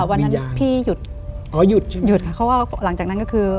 วันนั้นพี่หยุดอ๋อหยุดใช่ไหมหยุดค่ะเพราะว่าหลังจากนั้นก็คือ